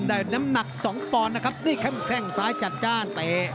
ได้น้ำหนักสองปอนด์นะครับนี่แค่งซ้ายจัดจ้านเตะ